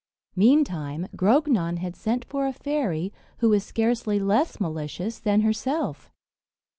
Meantime, Grognon had sent for a fairy, who was scarcely less malicious than herself.